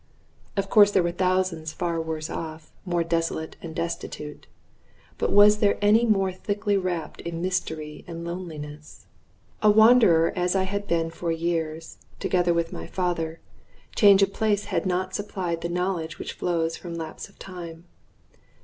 Of course there were thousands far worse off, more desolate and destitute, but was there any more thickly wrapped in mystery and loneliness? A wanderer as I had been for years, together with my father, change of place had not supplied the knowledge which flows from lapse of time.